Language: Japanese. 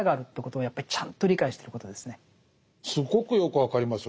すごくよく分かりますよ。